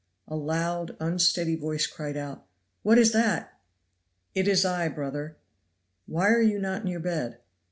A loud, unsteady voice cried out, "What is that?" "It is I, brother." "Why are you not in your bed?"